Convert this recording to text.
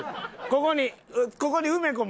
ここに。